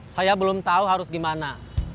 saya belum tahu harus gimana